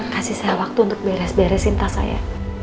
kasih saya waktu untuk beres beresin tas saya